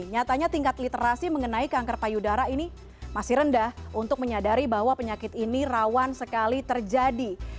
nyatanya tingkat literasi mengenai kanker payudara ini masih rendah untuk menyadari bahwa penyakit ini rawan sekali terjadi